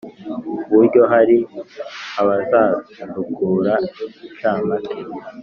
ku buryo hari abazandukura incamake